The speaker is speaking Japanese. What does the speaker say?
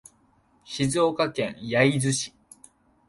静岡県焼津市